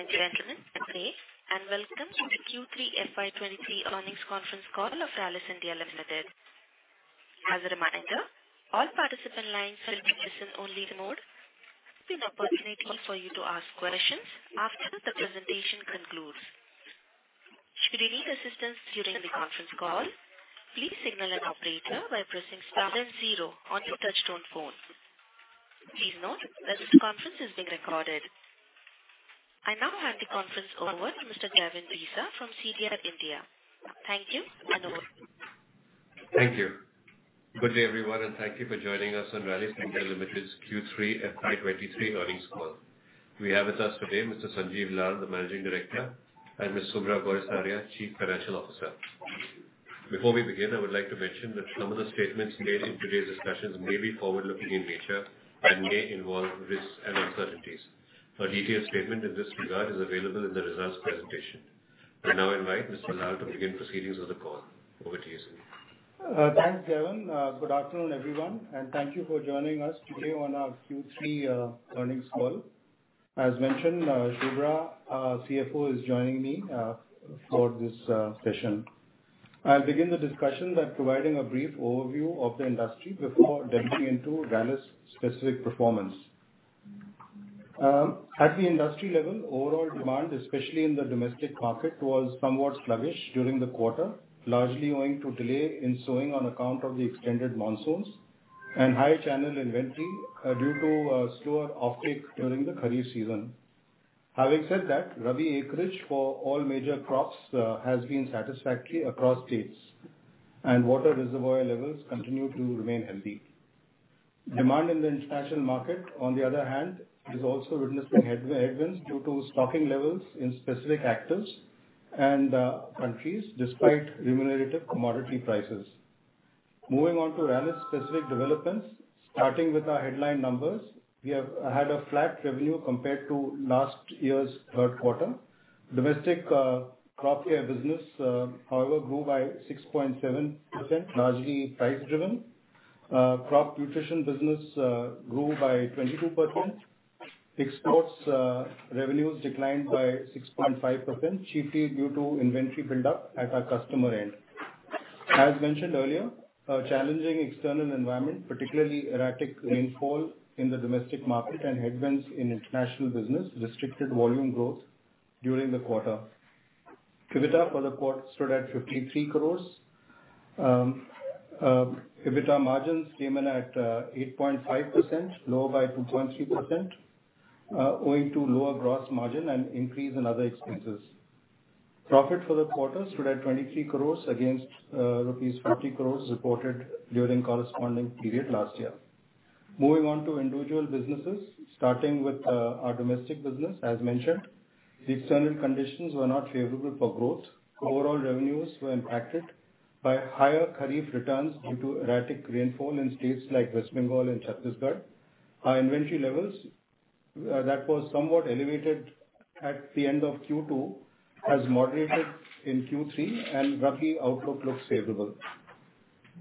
Ladies and gentlemen, good day, and welcome to the Q3 FY23 earnings conference call of Rallis India Limited. As a reminder, all participant lines will be in listen-only mode. There will be an opportunity for you to ask questions after the presentation concludes. Should you need assistance during the conference call, please signal an operator by pressing star then zero on your touch-tone phone. Please note that this conference is being recorded. I now hand the conference over to Mr. Gavin Desa from CDR India. Thank you and over to you. Thank you. Good day, everyone, and thank you for joining us on Rallis India Limited's Q3 FY23 earnings call. We have with us today Mr. Sanjiv Lal, the Managing Director, and Ms. Subhra Gourisaria, Chief Financial Officer. Before we begin, I would like to mention that some of the statements made in today's discussions may be forward-looking in nature and may involve risks and uncertainties. A detailed statement in this regard is available in the results presentation. I now invite Mr. Lal to begin proceedings of the call. Over to you, Sanjiv. Thanks, Gavin. Good afternoon, everyone, and thank you for joining us today on our Q3 earnings call. As mentioned, Subhra, our CFO, is joining me for this session. I'll begin the discussion by providing a brief overview of the industry before delving into Rallis' specific performance. At the industry level, overall demand, especially in the domestic market, was somewhat sluggish during the quarter, largely owing to delay in sowing on account of the extended monsoons. And higher channel inventory due to slower offtake during the kharif season. Having said that, rabi acreage for all major crops has been satisfactory across states and water reservoir levels continue to remain healthy. Demand in the international market, on the other hand, has also witnessed some headwinds due to stocking levels in specific actors and countries despite remunerative commodity prices. Moving on to Rallis' specific developments. Starting with our headline numbers, we have had a flat revenue compared to last year's third quarter. Domestic crop care business, however, grew by 6.7%, largely price driven. crop nutrition business grew by 22%. Exports revenues declined by 6.5%, chiefly due to inventory buildup at our customer end. As mentioned earlier, a challenging external environment, particularly erratic rainfall in the domestic market and headwinds in international business, restricted volume growth during the quarter. EBITDA for the quarter stood at 53 crores. EBITDA margins came in at 8.5%, lower by 2.3%, owing to lower gross margin and increase in other expenses. Profit for the quarter stood at 23 crores against INR 50 crores reported during corresponding period last year. Moving on to individual businesses, starting with our domestic business. As mentioned, the external conditions were not favorable for growth. Overall revenues were impacted by higher kharif returns due to erratic rainfall in states like West Bengal and Chhattisgarh. Our inventory levels, that was somewhat elevated at the end of Q2, has moderated in Q3, and rabi outlook looks favorable.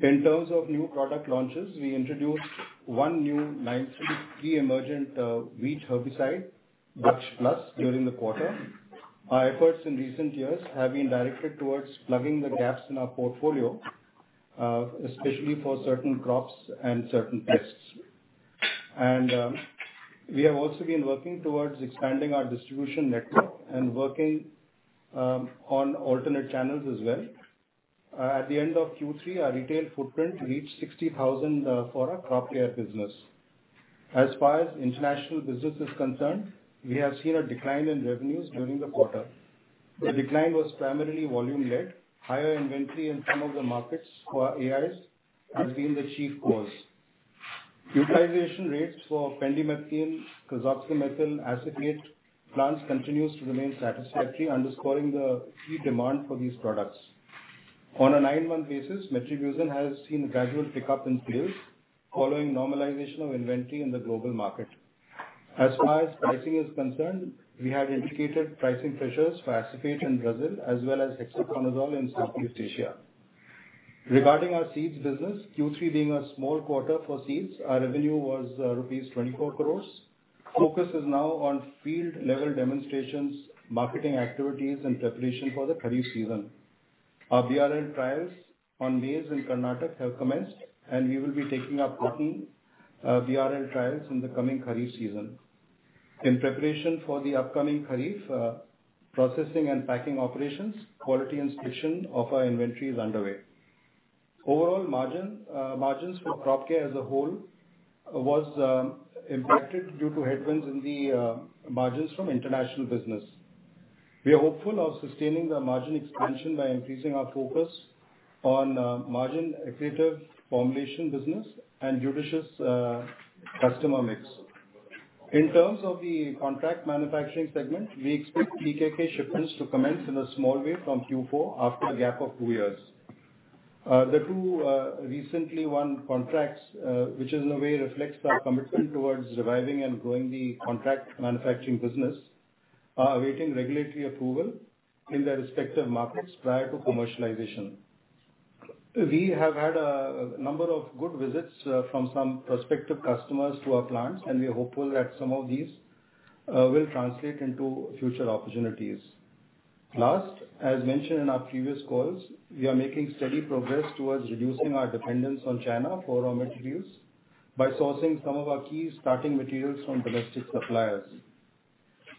In terms of new product launches, we introduced one new 9(3) emergent wheat herbicide, Daksh Plus, during the quarter. Our efforts in recent years have been directed towards plugging the gaps in our portfolio, especially for certain crops and certain pests. We have also been working towards expanding our distribution network and working on alternate channels as well. At the end of Q3, our retail footprint reached 60,000 for our crop care business. As far as international business is concerned, we have seen a decline in revenues during the quarter. The decline was primarily volume led. Higher inventory in some of the markets for AIs has been the chief cause. Utilization rates for pendimethalin, carfentrazone methyl, acephate plants continues to remain satisfactory, underscoring the key demand for these products. On a nine-month basis, metribuzin has seen gradual pickup in sales following normalization of inventory in the global market. As far as pricing is concerned, we have indicated pricing pressures for acephate in Brazil as well as hexaconazole in Southeast Asia. Regarding our seeds business, Q3 being a small quarter for seeds, our revenue was rupees 24 crores. Focus is now on field-level demonstrations, marketing activities, and preparation for the kharif season. Our VRL trials on maize in Karnataka have commenced, and we will be taking up cotton VRL trials in the coming kharif season. In preparation for the upcoming kharif processing and packing operations, quality inspection of our inventory is underway. Overall margin margins for crop care as a whole was impacted due to headwinds in the margins from international business. We are hopeful of sustaining the margin expansion by increasing our focus on margin accretive formulation business and judicious customer mix. In terms of the contract manufacturing segment, we expect TKK shipments to commence in a small way from Q4 after a gap of two years. The two recently won contracts, which in a way reflects our commitment towards reviving and growing the contract manufacturing business, are awaiting regulatory approval in their respective markets prior to commercialization. We have had a number of good visits from some prospective customers to our plants, and we are hopeful that some of these will translate into future opportunities. Last, as mentioned in our previous calls, we are making steady progress towards reducing our dependence on China for raw materials by sourcing some of our key starting materials from domestic suppliers.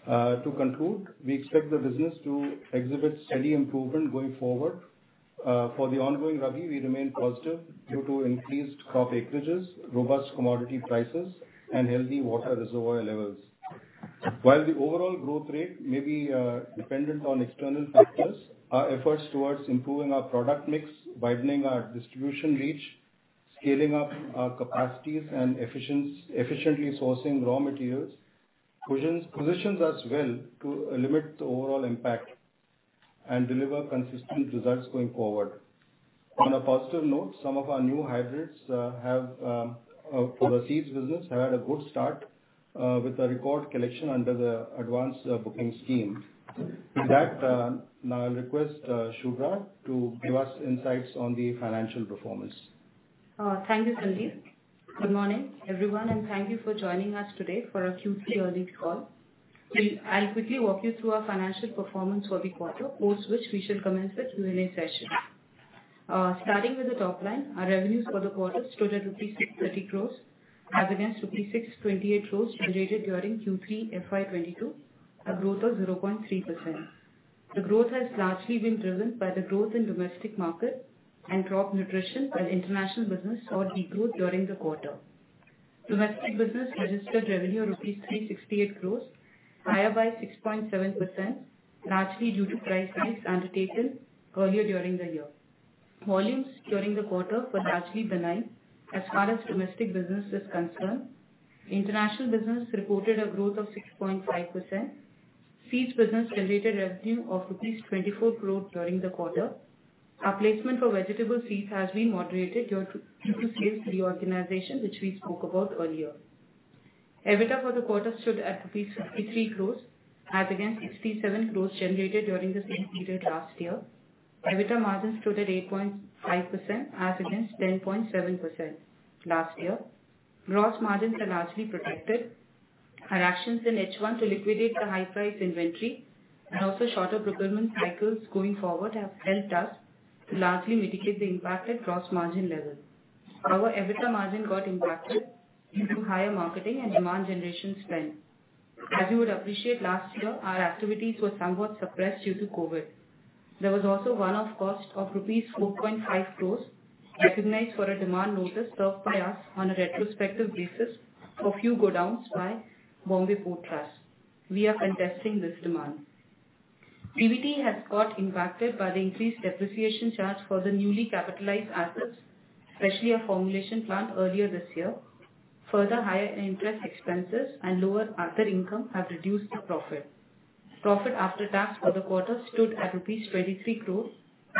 To conclude, we expect the business to exhibit steady improvement going forward. For the ongoing rabi, we remain positive due to increased crop acreages, robust commodity prices, and healthy water reservoir levels. While the overall growth rate may be dependent on external factors, our efforts towards improving our product mix, widening our distribution reach, scaling up our capacities, and efficiently sourcing raw materials positions us well to limit the overall impact and deliver consistent results going forward. On a positive note, some of our new hybrids, for the seeds business, have had a good start with a record collection under the advanced booking scheme. With that, now I request Subhra to give us insights on the financial performance. Thank you, Sanjiv Lal. Good morning, everyone, and thank you for joining us today for our Q3 earnings call. I'll quickly walk you through our financial performance for the quarter, post which we shall commence the Q&A session. Starting with the top line, our revenues for the quarter stood at rupees 63 crores as against rupees 6.8 crores generated during Q3 FY22, a growth of 0.3%. The growth has largely been driven by the growth in domestic market and crop nutrition, while international business saw degrowth during the quarter. Domestic business registered revenue of rupees 368 crores, higher by 6.7%, largely due to price hikes undertaken earlier during the year. Volumes during the quarter were largely benign as far as domestic business is concerned. International business reported a growth of 6.5%. Seeds business generated revenue of rupees 24 crores during the quarter. Our placement for vegetable seeds has been moderated due to sales reorganization, which we spoke about earlier. EBITDA for the quarter stood at rupees 53 crores as against 67 crores generated during the same period last year. EBITDA margins stood at 8.5% as against 10.7% last year. Gross margins are largely protected. Our actions in H1 to liquidate the high-priced inventory and also shorter procurement cycles going forward have helped us to largely mitigate the impact at gross margin levels. Our EBITDA margin got impacted due to higher marketing and demand generation spend. As you would appreciate, last year our activities were somewhat suppressed due to COVID. There was also one-off cost of rupees 4.5 crores recognized for a demand notice served by us on a retrospective basis for few godowns by Bombay Port Trust. We are contesting this demand. PBT has got impacted by the increased depreciation charge for the newly capitalized assets, especially our formulation plant earlier this year. Higher interest expenses and lower other income have reduced the profit. Profit after tax for the quarter stood at rupees 23 crores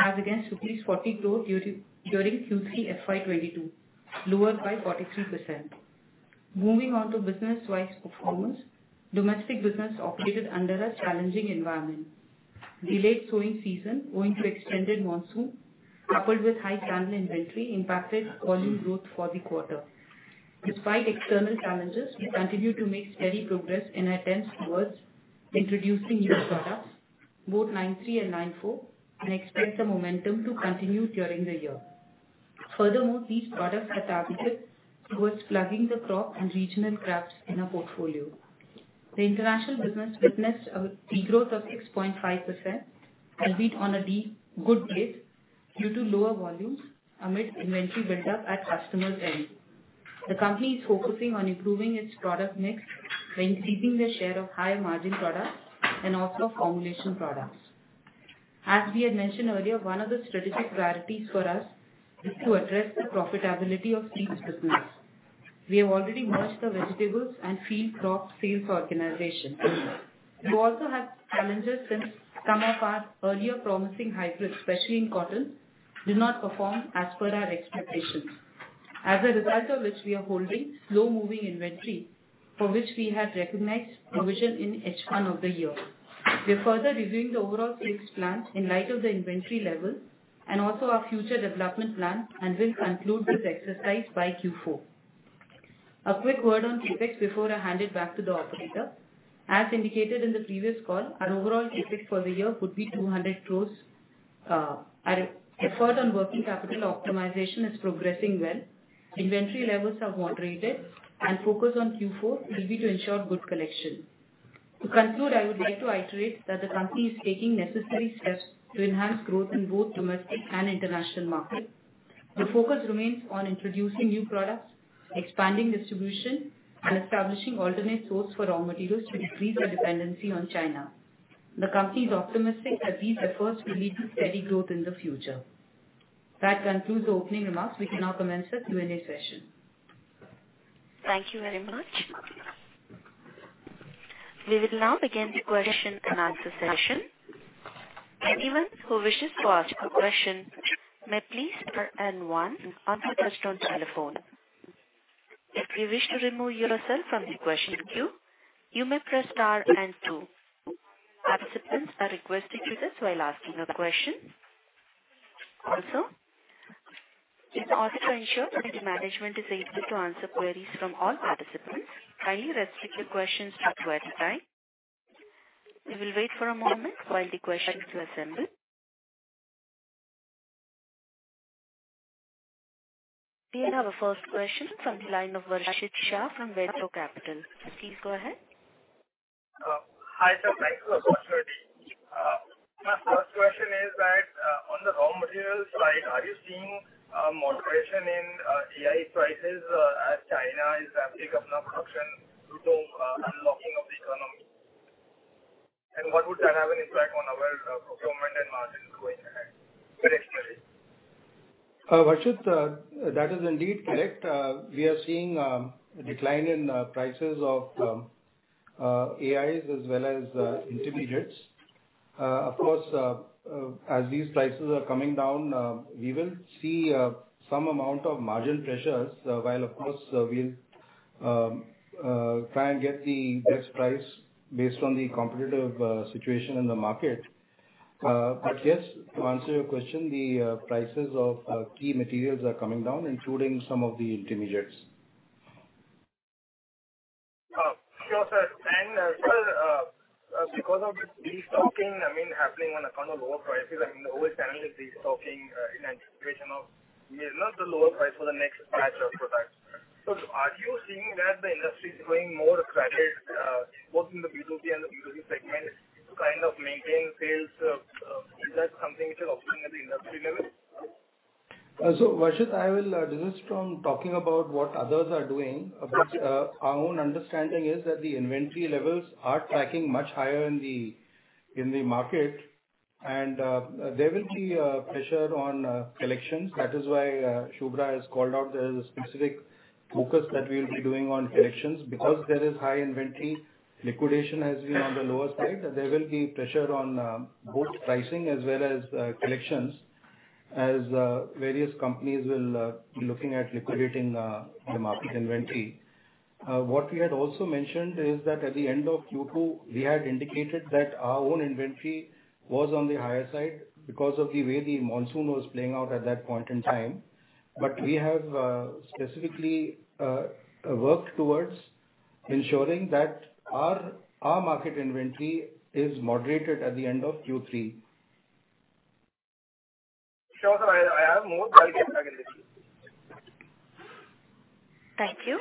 as against rupees 40 crore during Q3 FY22, lower by 43%. Moving on to business-wise performance. Domestic business operated under a challenging environment. Delayed sowing season owing to extended monsoon, coupled with high channel inventory, impacted volume growth for the quarter. Despite external challenges, we continue to make steady progress in our attempts towards introducing new products, both 9(3) and 9(4), expect the momentum to continue during the year. These products are targeted towards plugging the crop and regional gaps in our portfolio. The international business witnessed a degrowth of 6.5%, albeit on a good base due to lower volumes amid inventory buildup at customers' end. The company is focusing on improving its product mix by increasing the share of higher margin products and also formulation products. We had mentioned earlier, one of the strategic priorities for us is to address the profitability of seed business. We have already merged the vegetables and field crop sales organization. We also had challenges since some of our earlier promising hybrids, especially in cotton, did not perform as per our expectations. As a result of which we are holding slow-moving inventory, for which we had recognized provision in H1 of the year. We are further reviewing the overall sales plan in light of the inventory levels and also our future development plan, and will conclude this exercise by Q4. A quick word on CapEx before I hand it back to the operator. Our effort on working capital optimization is progressing well. Inventory levels have moderated, and focus on Q4 will be to ensure good collection. To conclude, I would like to iterate that the company is taking necessary steps to enhance growth in both domestic and international markets. The focus remains on introducing new products, expanding distribution, and establishing alternate source for raw materials to decrease our dependency on China. The company is optimistic that these efforts will lead to steady growth in the future. That concludes the opening remarks. We can now commence the Q&A session. Thank you very much. We will now begin the question and answer session. Anyone who wishes to ask a question may please press star and one on their touchtone telephone. If you wish to remove yourself from the question queue, you may press star and two. Participants are requested to do this while asking a question. Also, in order to ensure that the management is able to answer queries from all participants, kindly restrict your questions to query time. We will wait for a moment while the questions to assemble. We have our first question from the line of Varshit Shah from Ventura Securities. Please go ahead. Hi, sir. Thanks for the opportunity. My first question is that, on the raw materials side, are you seeing moderation in AIs prices, as China is ramping up production due to unlocking of the economy? What would that have an impact on our procurement and margins going ahead with next quarter? Varshit, that is indeed correct. We are seeing a decline in prices of AIs as well as intermediates. Of course, as these prices are coming down, we will see some amount of margin pressures. While of course we'll try and get the best price based on the competitive situation in the market. Yes, to answer your question, the prices of key materials are coming down, including some of the intermediates. Sure, sir. Well, because of this destocking, I mean, happening on account of lower prices and always channels destocking, in anticipation of not the lower price for the next batch of products. Are you seeing that the industry is playing more aggressive, both in the B2B and the B2C segment to kind of maintain sales? Is that something which is occurring at the industry level? Varshit, I will desist from talking about what others are doing. Our own understanding is that the inventory levels are tracking much higher in the market and there will be pressure on collections. That is why Shubhra has called out. There is a specific focus that we will be doing on collections because there is high inventory. Liquidation has been on the lower side. There will be pressure on both pricing as well as collections as various companies will be looking at liquidating the market inventory. What we had also mentioned is that at the end of Q2, we had indicated that our own inventory was on the higher side because of the way the monsoon was playing out at that point in time. We have, specifically, worked towards ensuring that our market inventory is moderated at the end of Q3. Sure, sir. I have more but I'll get back with you. Thank you.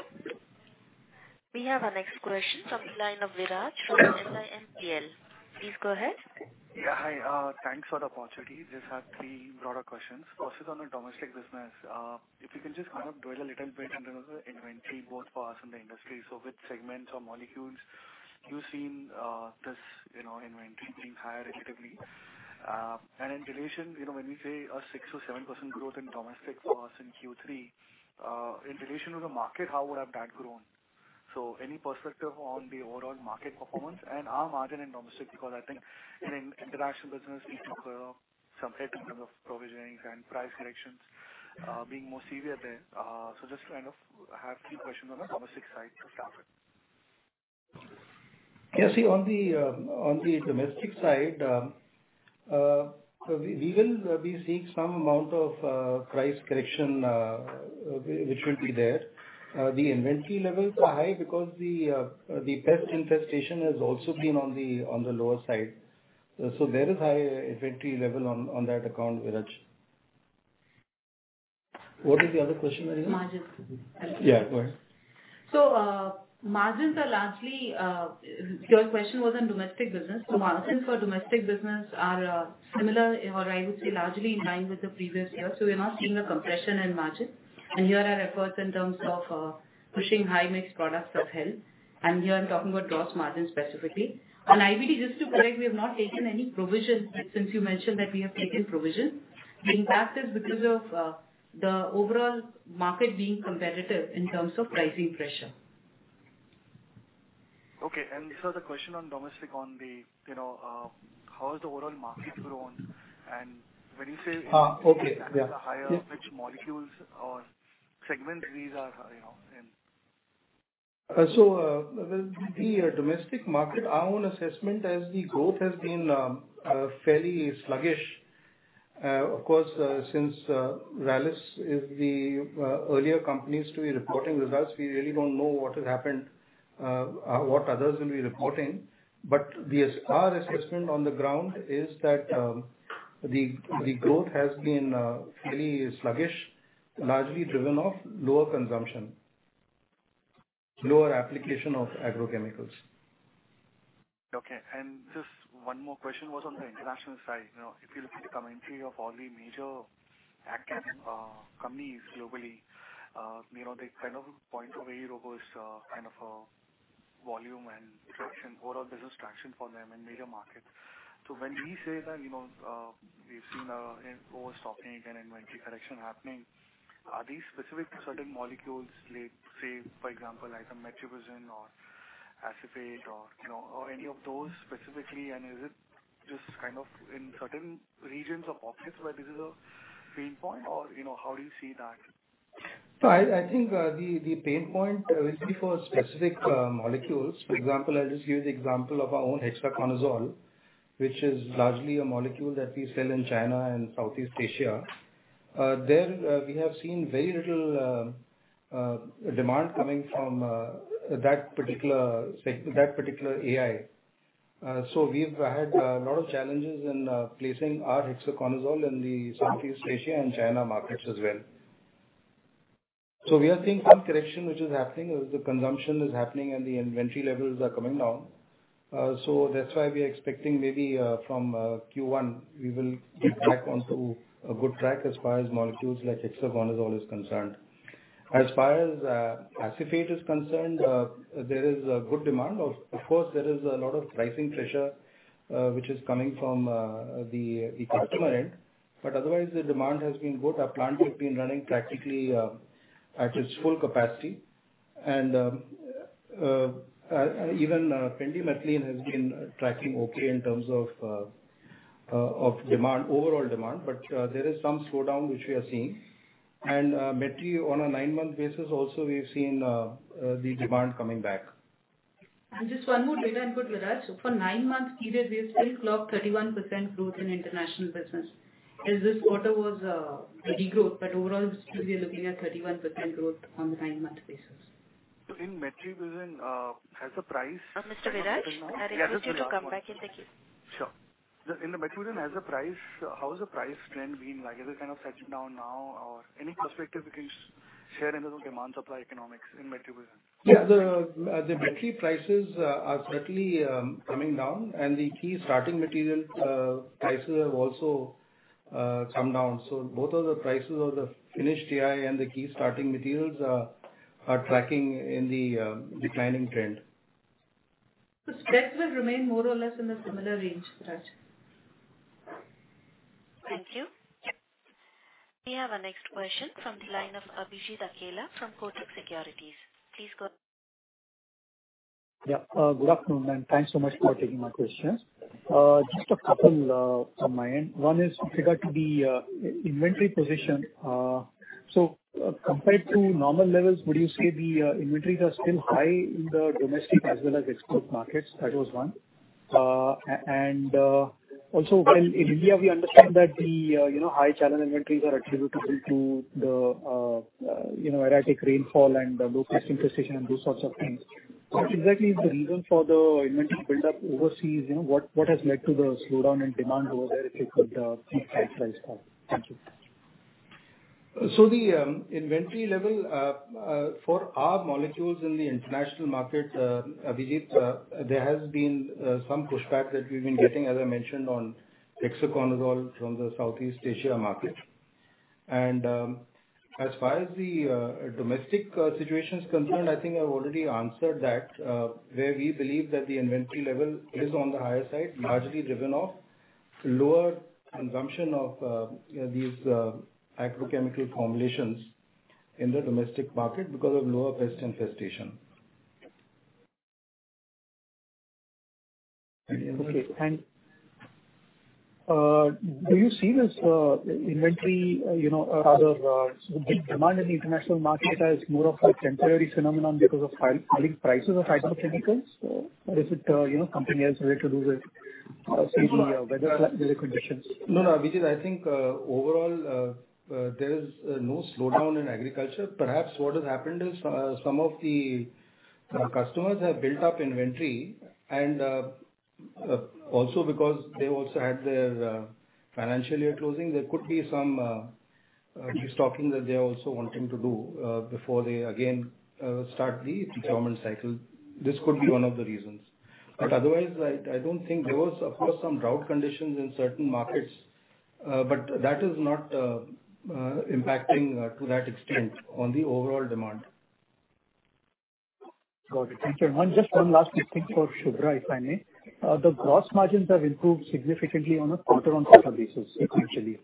We have our next question from the line of. Please go ahead. Yeah, hi. Thanks for the opportunity. Just have three broader questions. First is on the domestic business. If you can just kind of dwell a little bit on the inventory both for us and the industry. With segments or molecules, you've seen, you know, inventory being higher relatively. In relation, you know, when we say a 6% or 7% growth in domestic for us in Q3, in relation to the market, how would have that grown? Any perspective on the overall market performance and our margin in domestic, because I think in international business we took some hit in terms of provisionings and price corrections, being more severe there. Just to kind of have three questions on the domestic side to start with. See, on the domestic side, we will be seeing some amount of price correction, which will be there. The inventory levels are high because the pest infestation has also been on the lower side. There is high inventory level on that account, Chirag. What is the other question, Marina? Margins. Yeah, go ahead. Margins are largely, your question was on domestic business. Margins for domestic business are similar or I would say largely in line with the previous year. We're not seeing a compression in margins. Here our efforts in terms of pushing high-mix products have helped. Here I'm talking about gross margin specifically. On IBD, just to correct, we have not taken any provision, since you mentioned that we have taken provision. The impact is because of the overall market being competitive in terms of pricing pressure. Okay. Sir, the question on domestic on the, you know, how has the overall market grown? When you say- Okay. Yeah. inventory levels are higher, which molecules or segments these are, you know, in. Well, the domestic market, our own assessment as the growth has been fairly sluggish. Of course, since Rallis is the earlier companies to be reporting results, we really don't know what has happened, what others will be reporting. The our assessment on the ground is that the growth has been fairly sluggish, largely driven off lower consumption, lower application of agrochemicals. Okay. Just one more question was on the international side. You know, if you look at the commentary of all the major ag chem companies globally, you know, they kind of point to very robust kind of volume and traction, overall business traction for them in major markets. When we say that, you know, we've seen overstocking and inventory correction happening, are these specific to certain molecules like, say for example, like Metribuzin or Acephate or, you know, or any of those specifically, and is it just kind of in certain regions of office where this is a pain point or, you know, how do you see that? I think the pain point will be for specific molecules. For example, I'll just use the example of our own Hexaconazole, which is largely a molecule that we sell in China and Southeast Asia. There, we have seen very little demand coming from that particular AI. We've had a lot of challenges in placing our Hexaconazole in the Southeast Asia and China markets as well. We are seeing some correction which is happening or the consumption is happening and the inventory levels are coming down. That's why we are expecting maybe from Q1 we will get back onto a good track as far as molecules like Hexaconazole is concerned. As far as Acephate is concerned, there is a good demand. There is a lot of pricing pressure, which is coming from the customer end. Otherwise the demand has been good. Our plant has been running practically at its full capacity. Even pendimethalin has been tracking okay in terms of demand, overall demand. There is some slowdown which we are seeing. Metri on a 9-month basis also we've seen the demand coming back. Just one more data input, Chirag. For 9-month period, we have still clocked 31% growth in international business. As this quarter was, a degrowth, but overall still we are looking at 31% growth on the 9-month basis. in Metribuzin, has the price- Mr. Chirag, I request you to come back in. Thank you. Sure. How has the price trend been like? Is it kind of settling down now or any perspective you can share in the demand supply economics in Metribuzin? Yeah. The metribuzin prices are certainly coming down. The key starting material prices have also come down. Both of the prices of the finished AI and the key starting materials are tracking in the declining trend. Spread will remain more or less in a similar range, Chirag. Thank you. We have our next question from the line of Abhijeet Akle from Kotak Securities. Yeah. Good afternoon, ma'am. Thanks so much for taking my questions. Just a couple from my end. One is regard to the inventory position. So compared to normal levels, would you say the inventories are still high in the domestic as well as export markets? That was one. Also while in India we understand that the, you know, high channel inventories are attributable to the, you know, erratic rainfall and low pest infestation and those sorts of things. What exactly is the reason for the inventory build-up overseas? You know, what has led to the slowdown in demand over there, if you could please advise for? Thank you. The inventory level for our molecules in the international market, Abhijeet, there has been some pushback that we've been getting, as I mentioned, on Hexaconazole from the Southeast Asia market. As far as the domestic situation is concerned, I think I've already answered that, where we believe that the inventory level is on the higher side, largely driven off lower consumption of these agrochemical formulations in the domestic market because of lower pest infestation. Okay. Do you see this inventory, you know, rather, demand in the international market as more of a temporary phenomenon because of falling prices of agrochemicals? Is it, you know, company has to do with, say the weather conditions? No, no, Abhijeet. I think, overall, there is no slowdown in agriculture. Perhaps what has happened is, some of the customers have built up inventory and, also because they also had their financial year closing. There could be some restocking that they are also wanting to do before they again start the procurement cycle. This could be one of the reasons. Otherwise, I don't think there was, of course, some drought conditions in certain markets, but that is not impacting to that extent on the overall demand. Got it. Thank you. One, just one last quick thing for Shubhra, if I may. The gross margins have improved significantly on a quarter-on-quarter basis, essentially.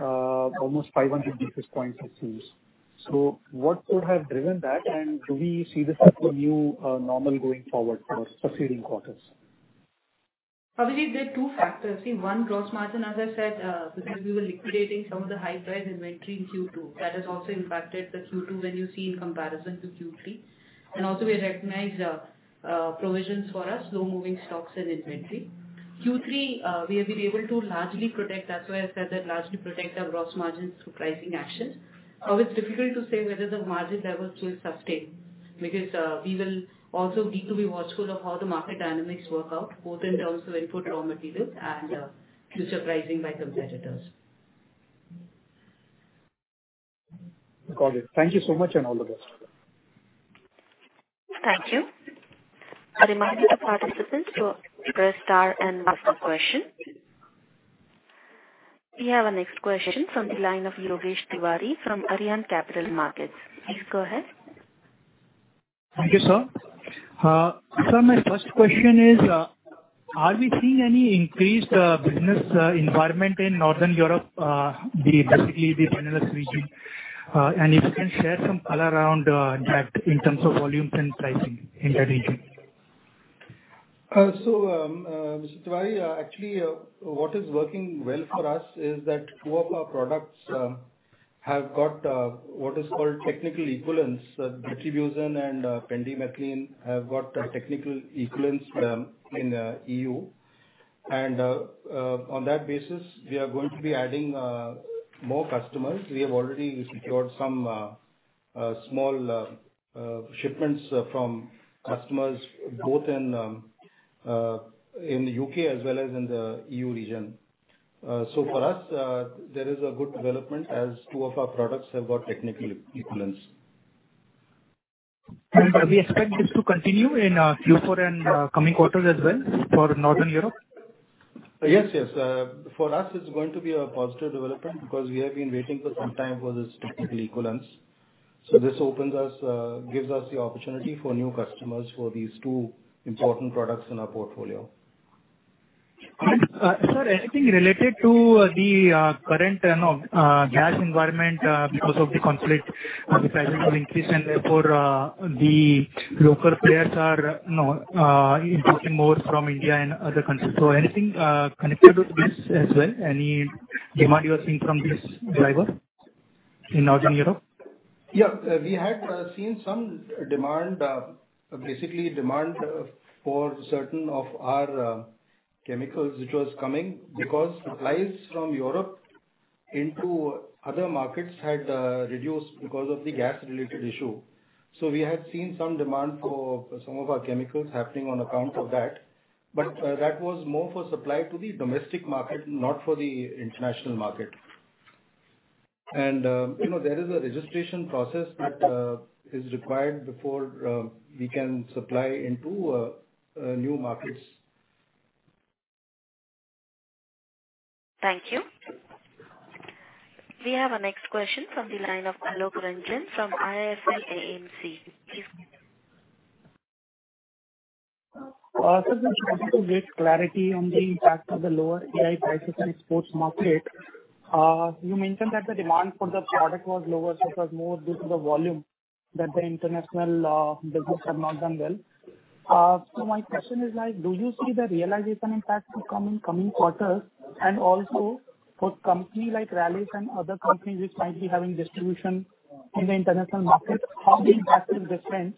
Almost 500 basis points it seems. What could have driven that? Do we see this as the new normal going forward for succeeding quarters? Abhijeet, there are two factors. See, one, gross margin, as I said, because we were liquidating some of the high drive inventory in Q2, that has also impacted the Q2 when you see in comparison to Q3. Also we recognized provisions for our slow moving stocks and inventory. Q3, we have been able to largely protect. That's why I said that largely protect our gross margins through pricing actions. It's difficult to say whether the margin levels will sustain because we will also need to be watchful of how the market dynamics work out, both in terms of input raw materials and future pricing by competitors. Got it. Thank you so much, and all the best. Thank you. A reminder to participants to press star and ask a question. We have our next question from the line of Yogesh Tewari from Arihant Capital Markets. Please go ahead. Thank you, sir. Sir, my first question is, are we seeing any increased business environment in Northern Europe, specifically the Benelux region? If you can share some color around impact in terms of volumes and pricing in that region. So, Mr. Tewari, actually, what is working well for us is that two of our products have got what is called technical equivalence. Metronidazole and Pendimethalin have got technical equivalence in EU. On that basis, we are going to be adding more customers. We have already secured some small shipments from customers both in the U.K. as well as in the EU region. So for us, there is a good development as two of our products have got technical equivalence. Do we expect this to continue in Q4 and coming quarters as well for Northern Europe? Yes, yes. For us, it's going to be a positive development because we have been waiting for some time for this technical equivalence. This opens us, gives us the opportunity for new customers for these two important products in our portfolio. Sir, anything related to the current, you know, gas environment, because of the conflict, the prices have increased and therefore, the local players are, you know, importing more from India and other countries? Anything connected with this as well? Any demand you are seeing from this driver in Northern Europe? Yeah. We had seen some demand, basically demand, for certain of our chemicals which was coming because supplies from Europe into other markets had reduced because of the gas related issue. We had seen some demand for some of our chemicals happening on account of that. That was more for supply to the domestic market, not for the international market. You know, there is a registration process that is required before we can supply into new markets. Thank you. We have our next question from the line of Alok Ranjan from IIFL AMC. Please go ahead. Sir, we wanted to get clarity on the impact of the lower AIs prices in exports market. You mentioned that the demand for the product was lower, so it was more due to the volume that the international business have not done well. My question is like, do you see the realization impact to come in coming quarters? Also for company like Rallis and other companies which might be having distribution in the international markets, how the impact is different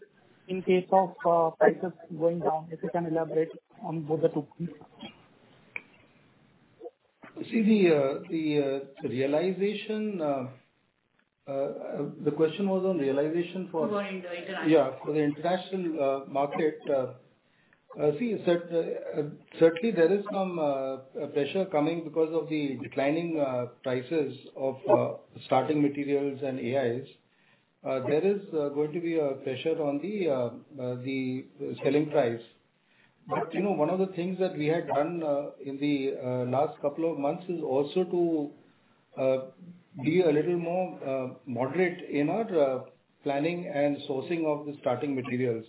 in case of prices going down? If you can elaborate on both the two, please. See the realization, the question was on realization. Going the international. For the international market. Certainly there is some pressure coming because of the declining prices of starting materials and AIs. There is going to be a pressure on the selling price. You know, one of the things that we had done in the last couple of months is also to be a little more moderate in our planning and sourcing of the starting materials.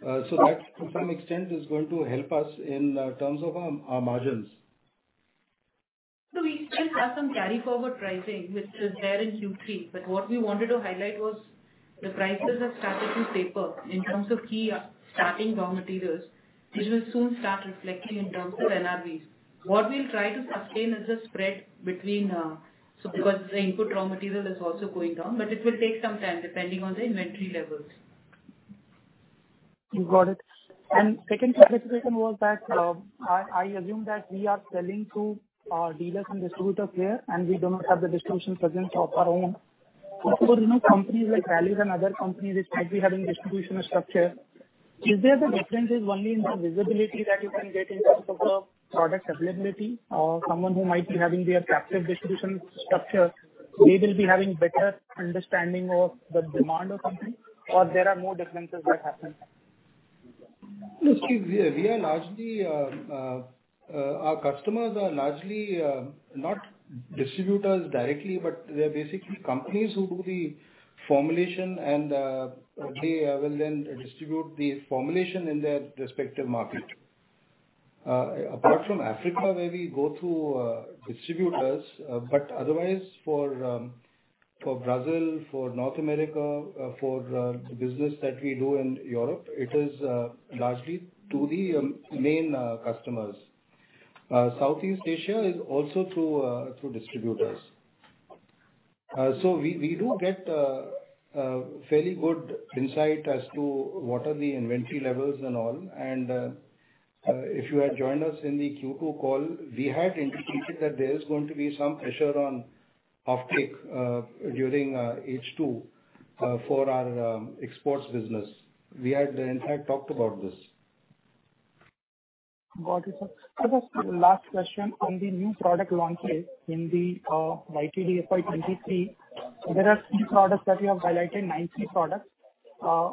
So that to some extent is going to help us in terms of our margins. We still have some carry forward pricing which is there in Q3. What we wanted to highlight was the prices have started to taper in terms of key starting raw materials, which will soon start reflecting in terms of NRBs. What we'll try to sustain is the spread between, so because the input raw material is also going down, but it will take some time depending on the inventory levels. Got it. Second clarification was that, I assume that we are selling through dealers and distributor here, and we do not have the distribution presence of our own. For, you know, companies like Rallis and other companies which might be having distribution structure, is there the differences only in the visibility that you can get in terms of product availability or someone who might be having their captive distribution structure, they will be having better understanding of the demand or something or there are more differences that happen? See, we are largely our customers are largely not distributors directly, but they're basically companies who do the formulation and they will then distribute the formulation in their respective market. Apart from Africa where we go through distributors. Otherwise, for Brazil, for North America, for the business that we do in Europe, it is largely to the main customers. Southeast Asia is also through distributors. We do get fairly good insight as to what are the inventory levels and all. If you had joined us in the Q2 call, we had indicated that there is going to be some pressure on offtake during H2 for our exports business. We had in fact talked about this. Got it, sir. Sir, just the last question on the new product launches in the YTD FY23. There are three products that you have highlighted, nine key products,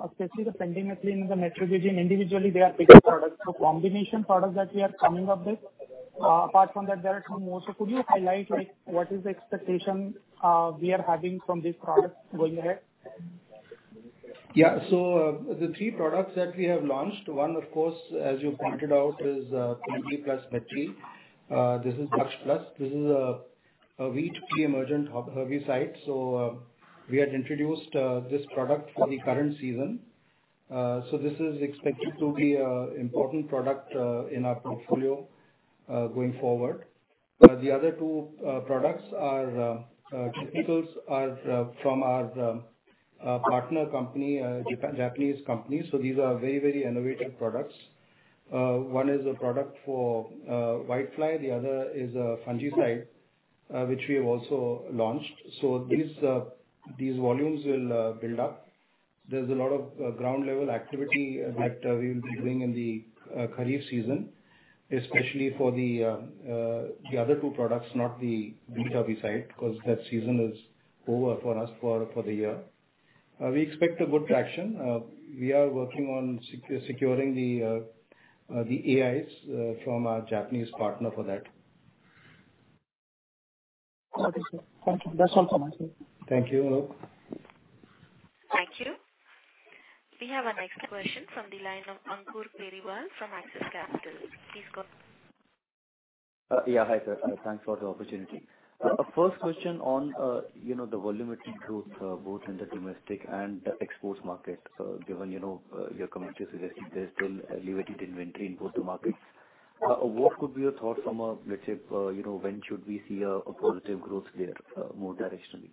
especially the Pendimethalin, the Metribuzin. Individually, they are bigger products. The combination products that we are coming up with, apart from that there are two more. Could you highlight like what is the expectation we are having from these products going ahead? The three products that we have launched, one of course, as you pointed out, is twenty plus thirty. This is Daksh Plus. This is a wheat pre-emergent herbicide. We had introduced this product for the current season. This is expected to be a important product in our portfolio going forward. The other two products are technicals, are from our partner company, Japanese company. These are very, very innovative products. One is a product for whitefly, the other is a fungicide which we have also launched. These volumes will build up. There's a lot of ground level activity that we will be doing in the kharif season, especially for the other two products, not the wheat herbicide, 'cause that season is over for us for the year. We expect a good traction. We are working on securing the AIs from our Japanese partner for that. Okay, sir. Thank you. That's all from my side. Thank you, Alok. Thank you. We have our next question from the line of Ankur Periwal from Axis Capital. Please go ahead. Yeah, hi, sir. Thanks for the opportunity. First question on, you know, the volumetric growth, both in the domestic and the export market. Given, you know, your comment just suggesting there's still elevated inventory in both the markets. What could be your thought from a, let's say, you know, when should we see a positive growth there, more directionally?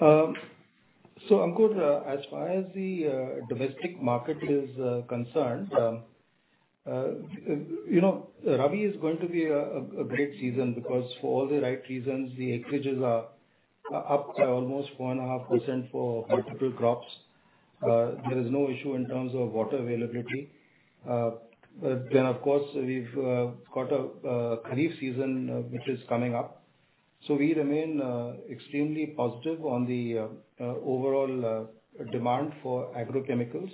Ankur, as far as the domestic market is concerned, you know, rabi is going to be a great season because for all the right reasons, the acreages are up by almost 1.5% for multiple crops. There is no issue in terms of water availability. Of course, we've got a kharif season which is coming up. We remain extremely positive on the overall demand for agrochemicals.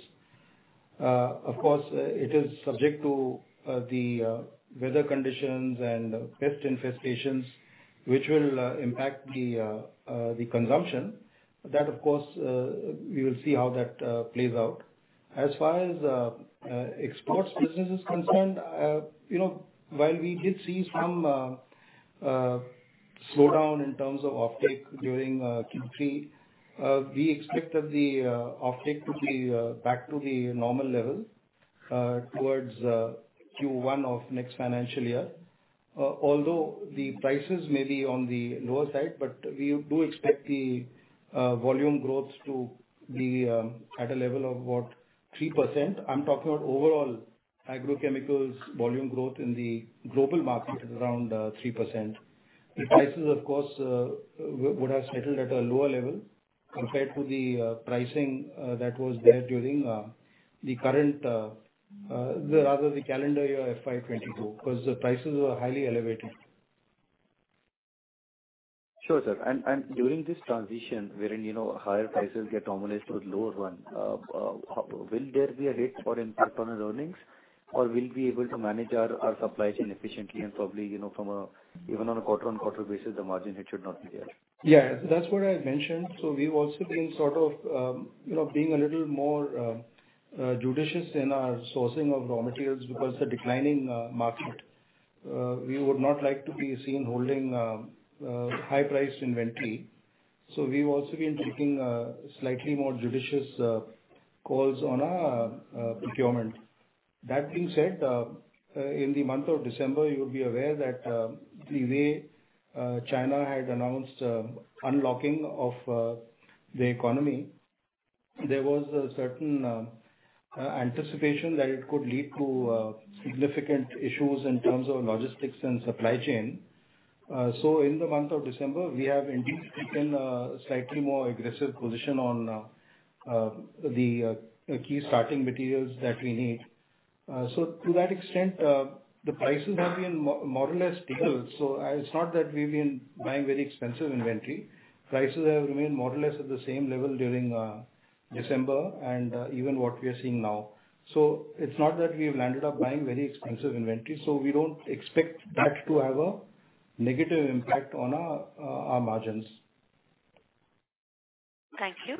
Of course, it is subject to the weather conditions and pest infestations, which will impact the consumption. That of course, we will see how that plays out. As far as exports business is concerned, you know, while we did see some slowdown in terms of offtake during Q3, we expect that the offtake to be back to the normal level towards Q1 of next financial year. Although the prices may be on the lower side, but we do expect the volume growth to be at a level of about 3%. I'm talking about overall agrochemicals volume growth in the global market at around 3%. The prices of course would have settled at a lower level compared to the pricing that was there during the current, rather the calendar year FY22, because the prices were highly elevated. Sure, sir. During this transition wherein, you know, higher prices get normalized with lower one, will there be a hit or impact on our earnings? We'll be able to manage our supply chain efficiently and probably, you know, from a even on a quarter-on-quarter basis, the margin hit should not be there. Yeah. That's what I mentioned. We've also been sort of, you know, being a little more judicious in our sourcing of raw materials because of the declining market. We would not like to be seen holding high priced inventory. We've also been taking slightly more judicious calls on our procurement. That being said, in the month of December, you'll be aware that the way China had announced unlocking of the economy, there was a certain anticipation that it could lead to significant issues in terms of logistics and supply chain. In the month of December, we have indeed taken a slightly more aggressive position on the key starting materials that we need. To that extent, the prices have been more or less stable, so it's not that we've been buying very expensive inventory. Prices have remained more or less at the same level during December and even what we are seeing now. It's not that we've landed up buying very expensive inventory, so we don't expect that to have a negative impact on our margins. Thank you.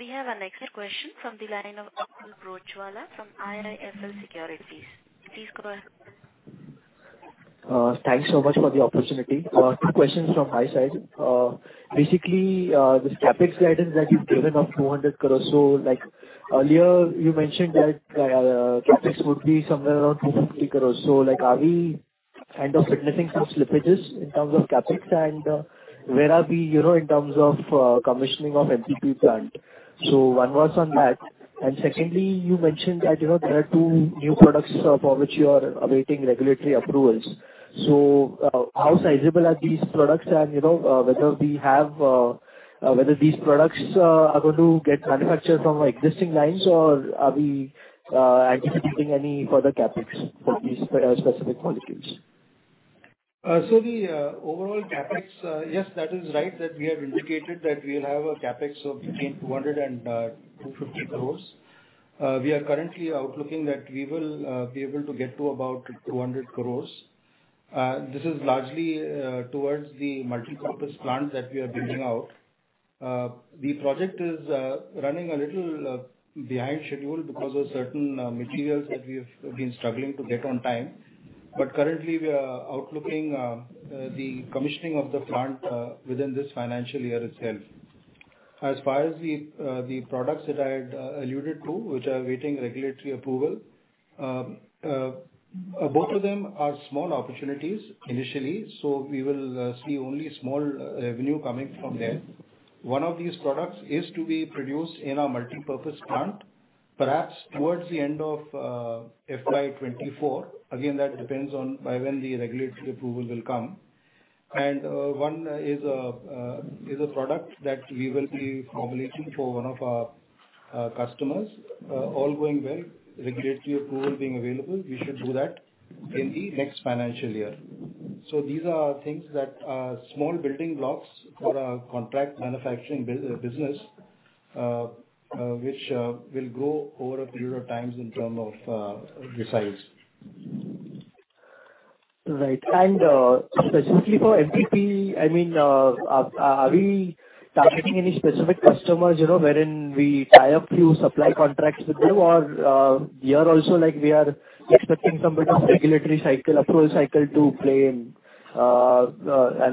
We have our next question from the line of Akhil Broachwala from IIFL Securities. Please go ahead. Thanks so much for the opportunity. Two questions from my side. Basically, this CapEx guidance that you've given of 200 crores. Like, earlier you mentioned that CapEx would be somewhere around 250 crores. Like, are we kind of witnessing some slippages in terms of CapEx? Where are we, you know, in terms of commissioning of MPP plant? One was on that. Secondly, you mentioned that, you know, there are two new products for which you are awaiting regulatory approvals. How sizable are these products? You know, whether we have, whether these products are going to get manufactured from our existing lines or are we anticipating any further CapEx for these specific molecules? So the overall CapEx, yes, that is right, that we have indicated that we'll have a CapEx of between 200-250 crores. We are currently outlooking that we will be able to get to about 200 crores. This is largely towards the multi-purpose plant that we are building out. The project is running a little behind schedule because of certain materials that we have been struggling to get on time. Currently, we are outlooking the commissioning of the plant within this financial year itself. As far as the products that I had alluded to, which are awaiting regulatory approval, both of them are small opportunities initially, so we will see only small revenue coming from there. One of these products is to be produced in our multi-purpose plant, perhaps towards the end of FY 24. Again, that depends on by when the regulatory approval will come. One is a product that we will be formulating for one of our customers. All going well, regulatory approval being available, we should do that in the next financial year. These are things that are small building blocks for our contract manufacturing business, which will grow over a period of times in term of the size. Right. Specifically for MPP, I mean, are we targeting any specific customers, you know, wherein we tie a few supply contracts with you or here also, like, we are expecting some bit of regulatory cycle, approval cycle to play in.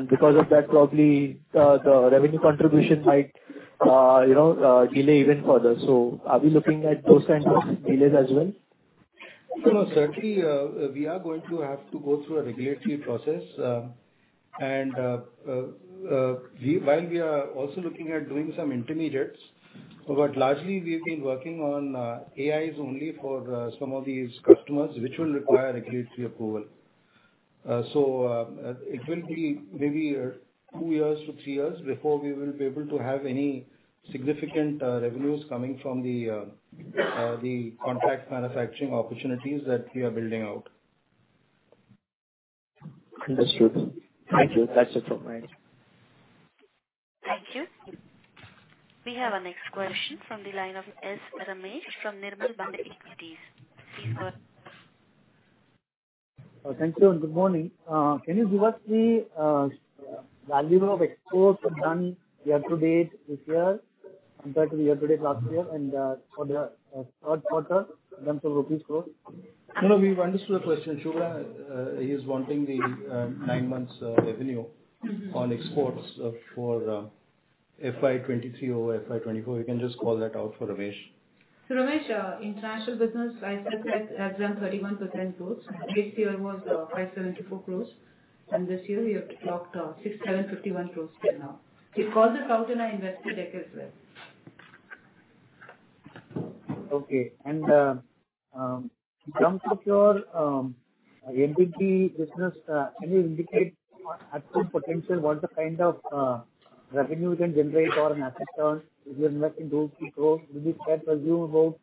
Because of that, probably, the revenue contribution might, you know, delay even further. Are we looking at those kinds of delays as well? No, certainly, we are going to have to go through a regulatory process. While we are also looking at doing some intermediates, but largely we've been working on AIs only for some of these customers which will require regulatory approval. It will be maybe two years to three years before we will be able to have any significant revenues coming from the contract manufacturing opportunities that we are building out. Understood. Thank you. That's it from my end. Thank you. We have our next question from the line of S. Ramesh from Nirmal Bang Equities. Please go ahead. Thank you, and good morning. Can you give us the value of exports done year-to-date this year compared to the year-to-date last year and for the third quarter in terms of INR growth? No, no, we've understood the question. Subhra, he's wanting the 9 months revenue on exports for FY 23 over FY 24. You can just call that out for Ramesh. Ramesh, international business, I said that has done 31% growth. This year was 574 crores, and this year we have clocked 6,751 crores till now. If all the. Okay. In terms of your MPP business, can you indicate at full potential what the kind of revenue you can generate or net return if you're investing those INR crores? Would you try to assume about,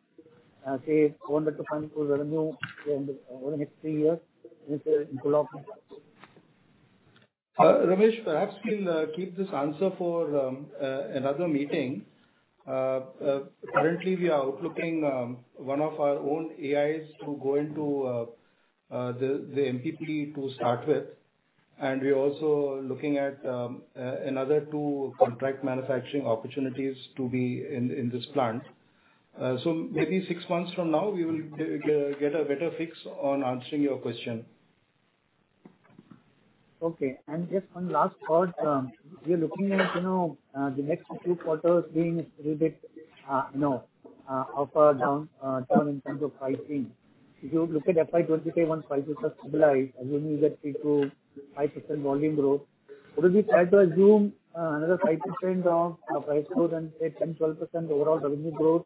say, 400-500 revenue over the next three years if the. Ramesh, perhaps we'll keep this answer for another meeting. Currently we are outlooking one of our own AIs to go into the MPP to start with. We're also looking at another two contract manufacturing opportunities to be in this plant. Maybe six months from now, we will get a better fix on answering your question. Okay. Just one last thought. We are looking at, you know, the next few quarters being a little bit, you know, up or down term in terms of pricing. If you look at FY25 once prices are stabilized, assuming that we do 5% volume growth, would you try to assume another 5% of price growth and say 10%-12% overall revenue growth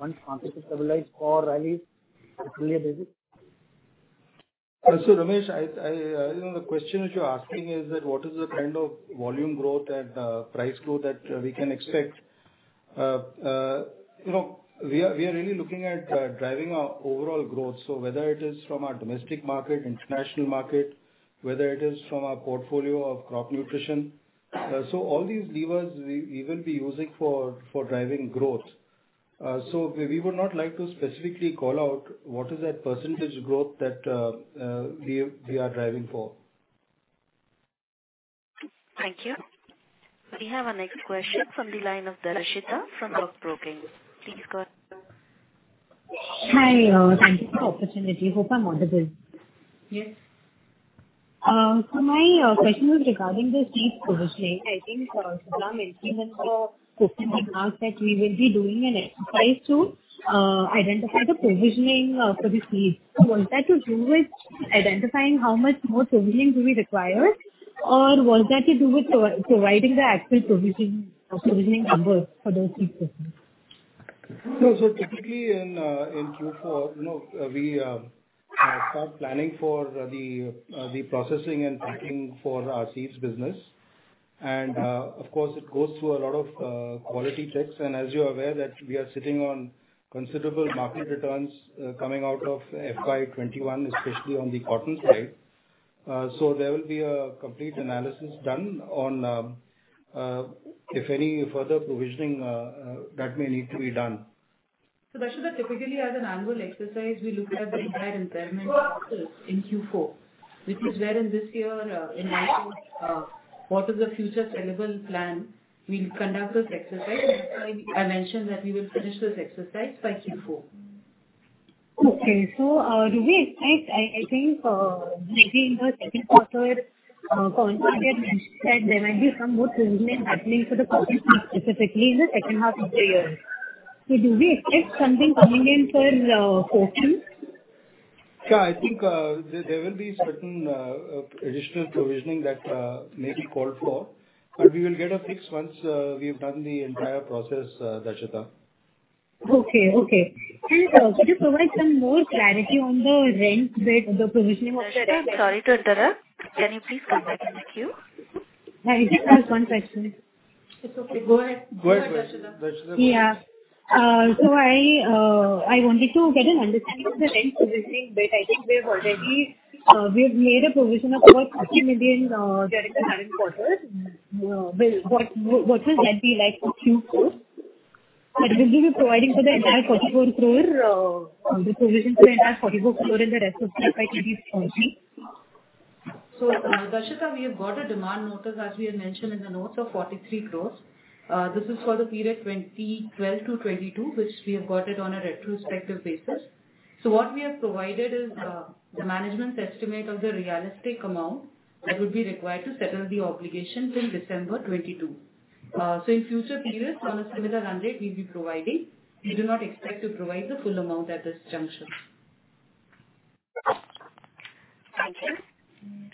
once markets are stabilized or rally? Ramesh, You know, the question which you're asking is that what is the kind of volume growth and price growth that we can expect. You know, we are really looking at driving our overall growth. Whether it is from our domestic market, international market. Whether it is from our portfolio of crop nutrition. All these levers we will be using for driving growth. We would not like to specifically call out what is that % growth that we are driving for. Thank you. We have our next question from the line of Darshita from Roc Broking. Please go ahead. Hi, thank you for the opportunity. Hope I'm audible. Yes. My question is regarding the seed provisioning. I think Subha mentioned or Sushant had mentioned that we will be doing an exercise to identify the provisioning for the seed. Was that to do with identifying how much more provisioning do we require, or was that to do with providing the actual provisioning numbers for those seed provisions? No. Typically in Q4, you know, we start planning for the processing and packing for our seeds business. Of course, it goes through a lot of quality checks. As you're aware that we are sitting on considerable market returns, coming out of FY21, especially on the cotton side. There will be a complete analysis done on if any further provisioning that may need to be done. Darshita typically as an annual exercise, we look at the entire impairment in Q4, which is where in this year, in light of, what is the future sellable plan, we'll conduct this exercise. That's why I mentioned that we will finish this exercise by Q4. Okay. do we expect... I think, lately in the second quarter, coincident mentioned that there might be some more provisioning happening for the current year, specifically in the second half of the year. Do we expect something coming in for, Q2? I think, there will be certain additional provisioning that may be called for, but we will get a fix once we've done the entire process, Darshita Shah. Okay. Okay. Could you provide some more clarity on the rent bit, the provisioning of rent? Sorry to interrupt. Can you please come back in the queue? I just have one question. It's okay. Go ahead. Go ahead. Go ahead, Darshita. Yeah. I wanted to get an understanding of the rent provisioning bit. I think we've already, we have made a provision of over 40 million during the current quarter. What will that be like for Q4? Will we be providing for the entire 44 crore, the provision for the entire 44 crore in the rest of the FY 2023? Dashatha, we have got a demand notice, as we have mentioned in the notes, of 43 crores. This is for the period 2012 to 2022, which we have got it on a retrospective basis. What we have provided is, the management's estimate of the realistic amount that would be required to settle the obligations in December 2022. In future periods, on a similar run rate we'll be providing. We do not expect to provide the full amount at this juncture. Thank you.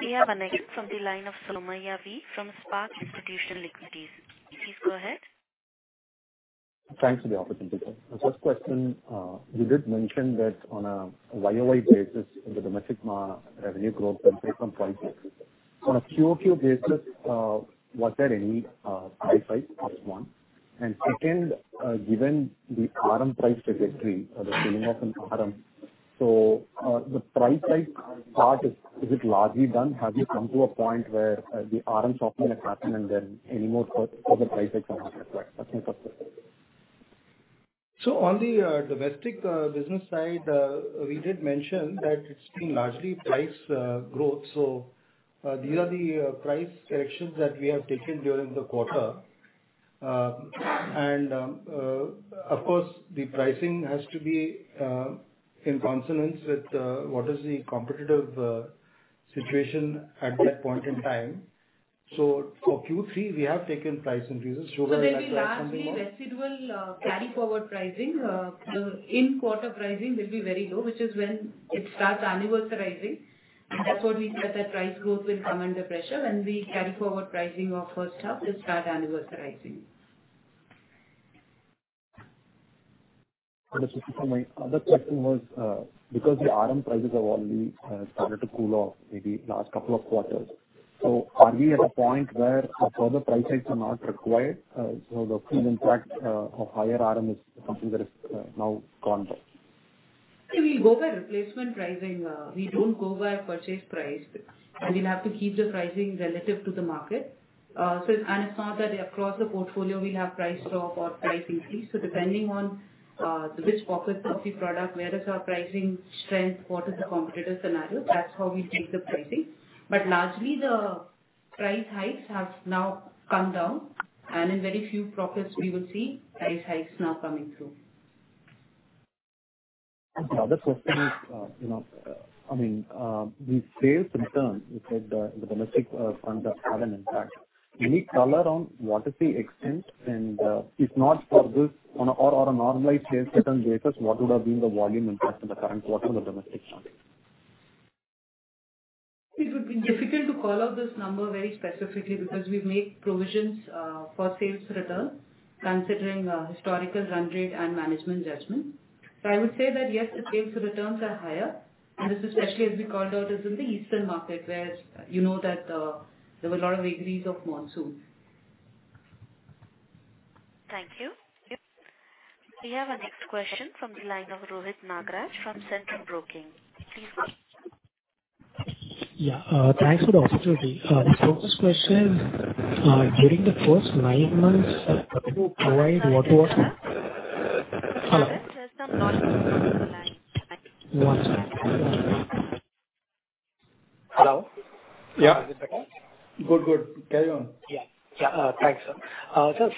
We have our next from the line of Somaiya V from Spark Institutional Equities. Please go ahead. Thanks for the opportunity. The first question, you did mention that on a year-over-year basis, the domestic revenue growth was based on price hikes. On a quarter-over-quarter basis, was there any price hike as one? Second, given the RM price trajectory or the scaling of an RM, the price hike part, is it largely done? Have you come to a point where the RM softening has happened, any more further price hikes are not required? That's my first question. On the domestic business side, we did mention that it's been largely price growth. These are the price corrections that we have taken during the quarter. And of course, the pricing has to be in consonance with what is the competitive situation at that point in time. For Q3 we have taken price increases. Sugar and natural have something more. There'll be largely residual, carry forward pricing. The in-quarter pricing will be very low, which is when it starts anniversarizing. That's what we said, that price growth will come under pressure when we carry forward pricing of first half will start anniversarizing. Understood. My other question was, because the RM prices have already started to cool off maybe last couple of quarters, so are we at a point where further price hikes are not required? The full impact of higher RM is something that is now gone for? We will go by replacement pricing. We don't go by purchase price. We'll have to keep the pricing relative to the market. It's not that across the portfolio we'll have price drop or price increase. Depending on, which pockets of the product, where is our pricing strength, what is the competitive scenario, that's how we take the pricing. Largely the price hikes have now come down and in very few pockets we will see price hikes now coming through. Okay. The other question is, you know, I mean, the sales return you said, the domestic funds have an impact. Any color on what is the extent and, if not for this on a normalized sales return basis, what would have been the volume impact in the current quarter on the domestic front? It would be difficult to call out this number very specifically because we've made provisions for sales return considering historical run rate and management judgment. I would say that yes, the sales returns are higher, and this especially as we called out is in the eastern market, where you know that there were a lot of vagaries of monsoon. Thank you. We have our next question from the line of Rohit Nagraj from Centrum Broking. Please go ahead. Yeah. Thanks for the opportunity. First question, during the first nine months, can you provide what was? Sorry. The first person not on the line. One second. One second. Hello? Yeah. Is it better? Good. Good. Carry on. Yeah. Yeah. Thanks, sir.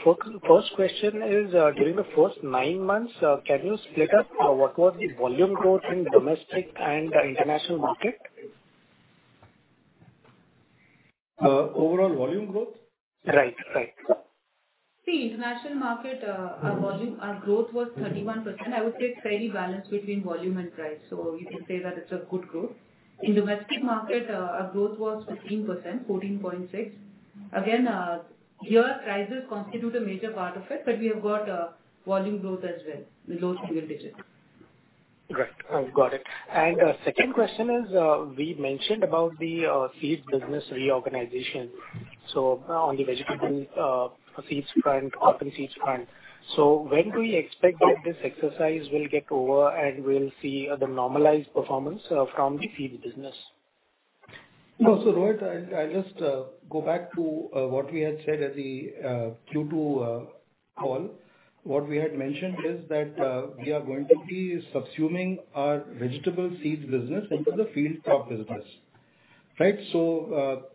First question is, during the first nine months, can you split up, what was the volume growth in domestic and international market? Overall volume growth? Right. Right. See, international market, our volume, our growth was 31%. I would say it's fairly balanced between volume and price. We can say that it's a good growth. In domestic market, our growth was 15%, 14.6. Again, here prices constitute a major part of it, but we have got volume growth as well in low single digits. Great. I've got it. Second question is, we mentioned about the feeds business reorganization, on the vegetable feeds front, oilseed front. When do we expect that this exercise will get over and we'll see the normalized performance from the feeds business? No. Rohit, I'll just go back to what we had said at the Q2 call. What we had mentioned is that we are going to be subsuming our vegetable seeds business into the field crop business, right?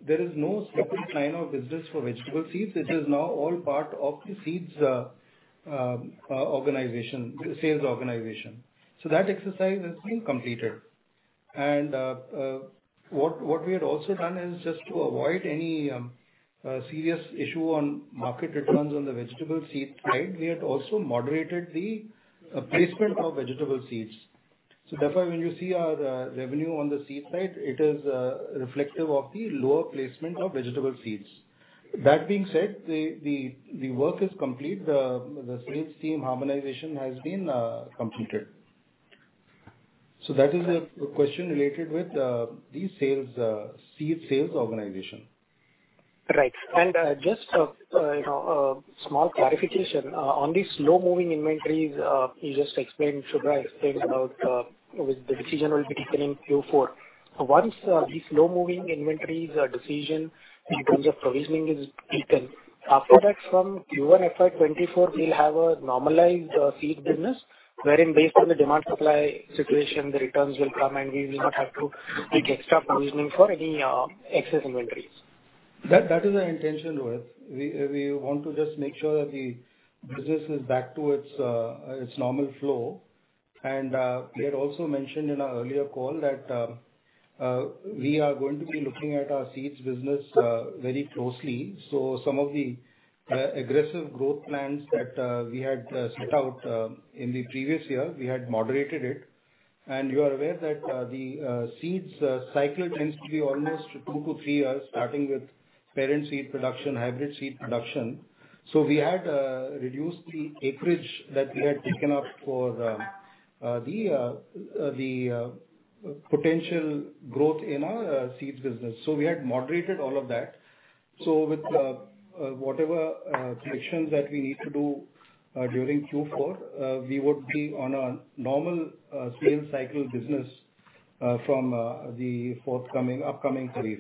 There is no separate line of business for vegetable seeds. This is now all part of the seeds organization, the sales organization. That exercise has been completed., What we had also done is just to avoid any serious issue on market returns on the vegetable seed side, we had also moderated the placement of vegetable seeds. Therefore, when you see our revenue on the seed side, it is reflective of the lower placement of vegetable seeds. That being said, the work is complete. The sales team harmonization has been completed. That is a question related with the sales seed sales organization. Right. just, you know, a small clarification on the slow-moving inventories, you just explained, Subhra explained about, with the decision will be taken in Q4. Once these slow-moving inventories decision in terms of provisioning is taken, after that from Q1 FY24, we'll have a normalized seed business wherein based on the demand supply situation, the returns will come, and we will not have to take extra provisioning for any excess inventories. That is our intention, Rohit. We want to just make sure that the business is back to its normal flow. We had also mentioned in our earlier call that we are going to be looking at our seeds business very closely. Some of the aggressive growth plans that we had set out in the previous year, we had moderated it. You are aware that the seeds cycle tends to be almost two to three years, starting with parent seed production, hybrid seed production. We had reduced the acreage that we had taken up for the potential growth in our seeds business. We had moderated all of that. With whatever corrections that we need to do during Q4, we would be on a normal sales cycle business from the forthcoming, upcoming relief.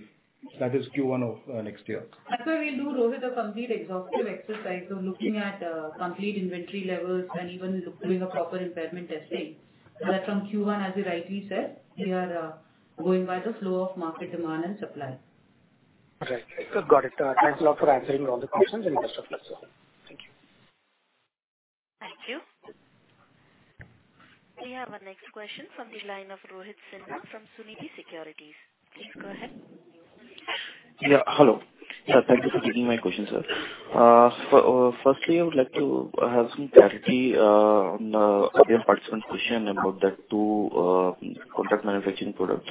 That is Q1 of next year. That's why we'll do, Rohit, a complete exhaustive exercise of looking at complete inventory levels and even doing a proper impairment testing. From Q1, as you rightly said, we are going by the flow of market demand and supply. Right. Good. Got it. Thanks a lot for answering all the questions and best of luck to all. Thank you. Thank you. We have our next question from the line of Rohit Sinha from Sunidhi Securities. Please go ahead. Yeah. Hello. Sir, thank you for taking my question, sir. Firstly, I would like to have some clarity on the other participant's question about the two contract manufacturing products.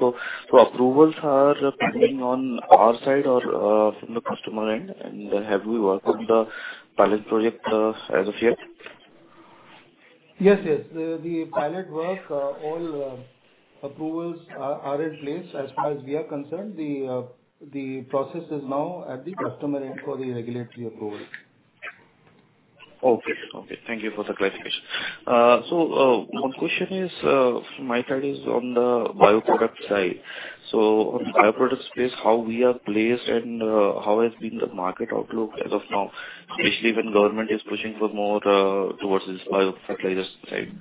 Approvals are pending on our side or from the customer end? Have we worked on the pilot project as of yet? Yes. The pilot work, all approvals are in place. As far as we are concerned, the process is now at the customer end for the regulatory approval. Okay. Okay. Thank you for the clarification. One question is from my side is on the bioproduct side. On the bioproduct space, how we are placed and how has been the market outlook as of now, especially when government is pushing for more towards this biofertilizers side?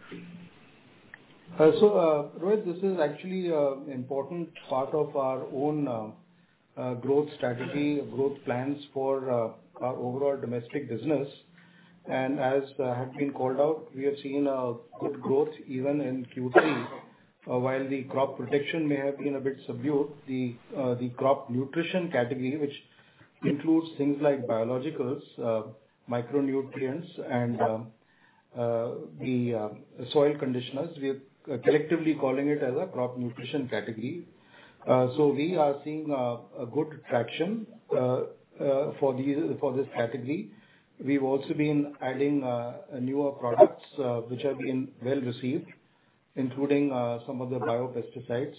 Rohit, this is actually a important part of our own growth strategy, growth plans for our overall domestic business. As had been called out, we have seen a good growth even in Q3. While the crop protection may have been a bit subdued, the crop nutrition category, which includes things like biologicals, micronutrients and the soil conditioners. We're collectively calling it as a crop nutrition category. We are seeing a good traction for these, for this category. We've also been adding newer products which have been well received, including some of the biopesticides.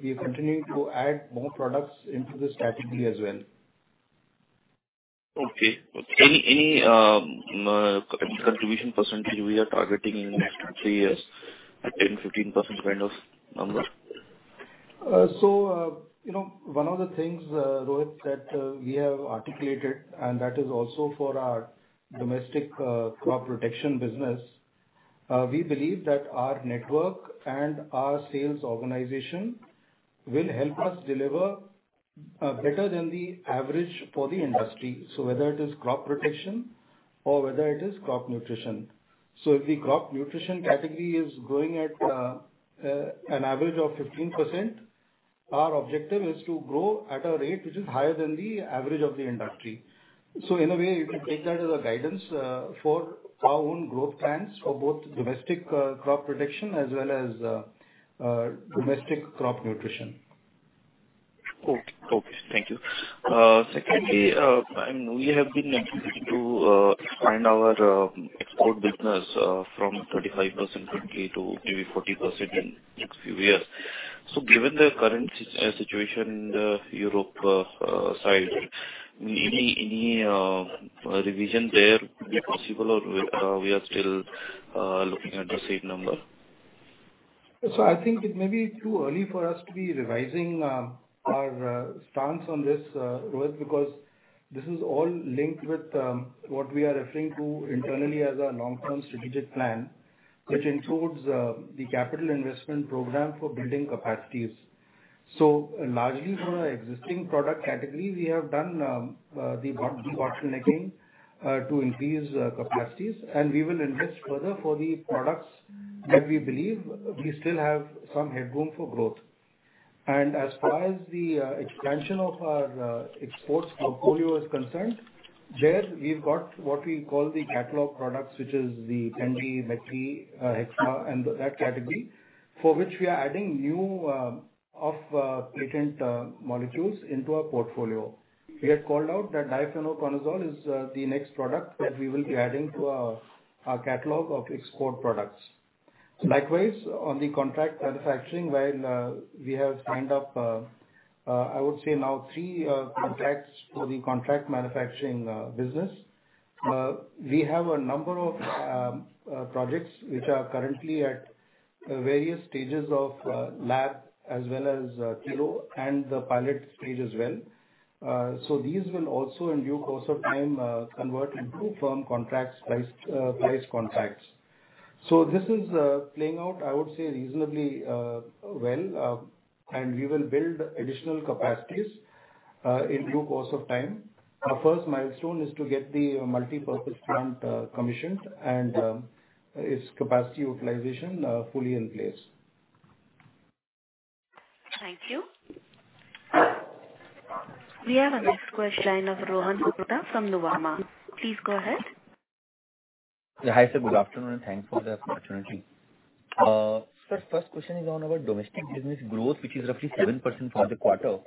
We are continuing to add more products into this category as well. Okay. Any contribution % we are targeting in next three years, like 10%-15% kind of number? You know, one of the things, Rohit, that we have articulated, and that is also for our domestic crop protection business, we believe that our network and our sales organization will help us deliver better than the average for the industry. Whether it is crop protection or whether it is crop nutrition. If the crop nutrition category is growing at an average of 15%, our objective is to grow at a rate which is higher than the average of the industry. In a way, you can take that as a guidance for our own growth plans for both domestic crop protection as well as domestic crop nutrition. Okay. Okay. Thank you. Secondly, and we have been looking to expand our export business from 35% currently to maybe 40% in next few years. Given the current situation in the Europe side, any revision there will be possible or we are looking at the seed number? I think it may be too early for us to be revising our stance on this, Rohit, because this is all linked with what we are referring to internally as our long-term strategic plan, which includes the capital investment program for building capacities. Largely from our existing product category, we have done debottlenecking to increase capacities, and we will invest further for the products that we believe we still have some headroom for growth. As far as the expansion of our exports portfolio is concerned, there we've got what we call the catalog products which is the Clethodim, Hexa, and that category for which we are adding new off-patent molecules into our portfolio. We had called out that Difenoconazole is the next product that we will be adding to our catalog of export products. Likewise, on the contract manufacturing, while we have signed up, I would say now three contracts for the contract manufacturing business. We have a number of projects which are currently at various stages of lab as well as kilo and the pilot stage as well. These will also in due course of time convert into firm contracts, priced contracts. This is playing out, I would say reasonably well, and we will build additional capacities in due course of time. Our first milestone is to get the multi-purpose plant commissioned and its capacity utilization fully in place. Thank you. We have our next question on the line of Rohan Gupta from Nuvama. Please go ahead. Hi, sir. Good afternoon, and thanks for the opportunity. Sir, first question is on our domestic business growth, which is roughly 7% for the quarter.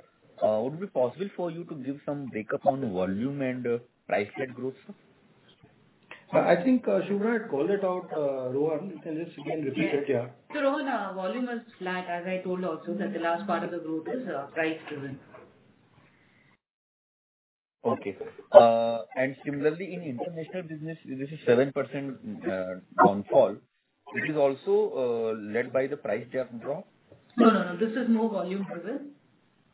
Would it be possible for you to give some breakup on the volume and price led growth, sir? I think Subhra had called it out, Rohan. You can just again repeat it, yeah. Rohan, our volume was flat. As I told also that the last part of the growth is price driven. Okay. similarly in international business, this is 7% downfall. This is also, led by the price drop? No, no. This is more volume driven.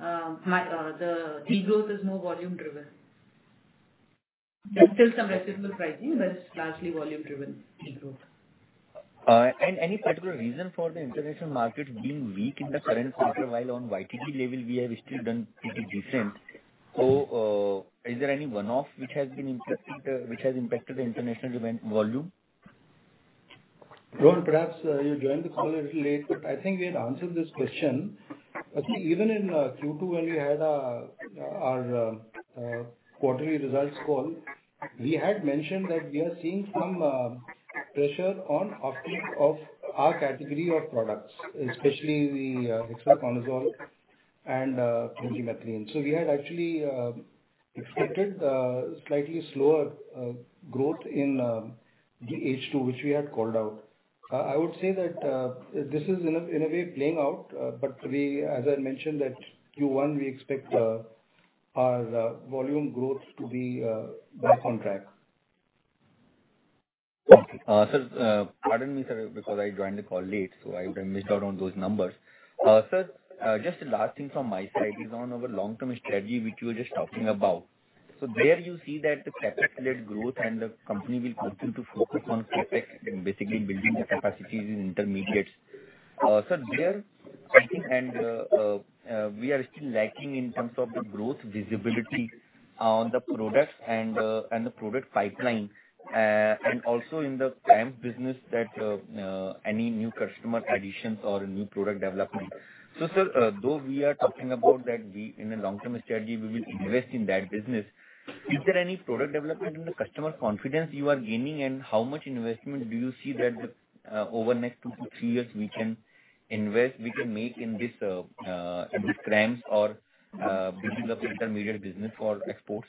The de-growth is more volume driven. There's still some residual pricing, but it's largely volume driven de-growth. Any particular reason for the international market being weak in the current quarter, while on YTD level we have still done pretty decent? Is there any one-off which has been impacted, which has impacted the international demand volume? Rohan, perhaps, you joined the call a little late. I think we had answered this question. I think even in Q2 when we had our quarterly results call, we had mentioned that we are seeing some pressure on uptake of our category of products, especially the Hexaconazole and Clethodim. We had actually expected slightly slower growth in the H2, which we had called out. I would say that this is in a way playing out. We, as I mentioned that Q1 we expect our volume growth to be back on track. Okay. Sir, pardon me, sir, because I joined the call late, so I would have missed out on those numbers. Sir, just the last thing from my side is on our long-term strategy, which you were just talking about. There you see that the CapEx led growth and the company will continue to focus on CapEx and basically building the capacities in intermediates. Sir, there I think and we are still lacking in terms of the growth visibility on the products and the product pipeline, and also in the CRAMS business that any new customer additions or new product development. Sir, though we are talking about that we in the long-term strategy we will invest in that business, is there any product development and the customer confidence you are gaining? How much investment do you see that over next two to three years we can invest, we can make in this in this CRAMS or building up intermediate business for exports?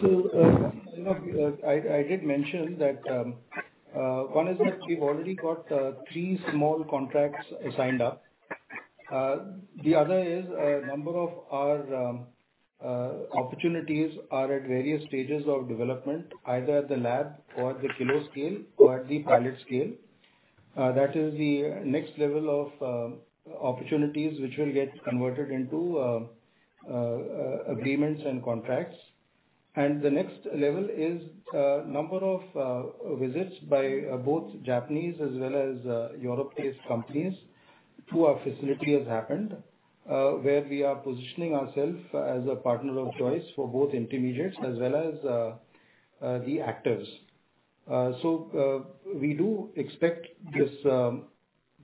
You know, I did mention that one is that we've already got three small contracts signed up. The other is a number of our opportunities are at various stages of development, either at the lab or the kilo scale or at the pilot scale. That is the next level of opportunities which will get converted into agreements and contracts. The next level is number of visits by both Japanese as well as Europe-based companies to our facility has happened, where we are positioning ourself as a partner of choice for both intermediates as well as the AIs. We do expect this